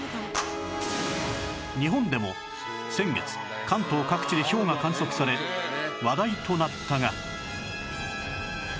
日本でも先月関東各地でひょうが観測され話題となったが